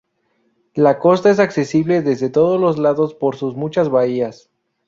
La costa es accesible desde todos los lados por sus muchas bahías.